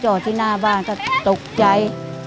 ที่หน้าบ้านก็ตกใจ